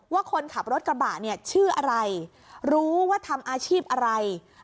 ว่าคนขับรถกระบะเนี่ยชื่ออะไรรู้ว่าทำอาชีพอะไร